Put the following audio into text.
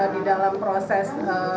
di dalam proses